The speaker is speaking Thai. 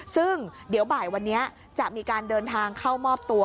ซึ่งเดี๋ยวบ่ายวันนี้จะมีการเดินทางเข้ามอบตัว